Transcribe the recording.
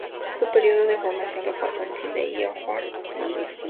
Su periodo de formación lo pasó en Sídney y en Hobart, Tasmania.